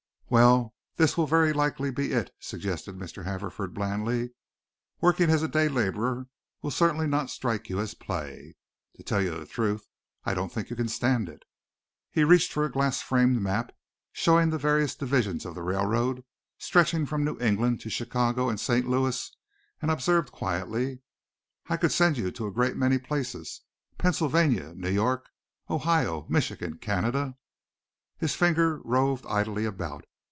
"Well, this will very likely be it," suggested Mr. Haverford blandly. "Working as a day laborer will certainly not strike you as play. To tell you the truth, I don't think you can stand it." He reached for a glass framed map showing the various divisions of the railroad stretching from New England to Chicago and St. Louis, and observed quietly. "I could send you to a great many places, Pennsylvania, New York, Ohio, Michigan, Canada." His finger roved idly about.